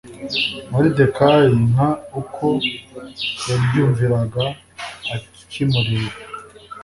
Moridekayi nk uko yaryumviraga akimurera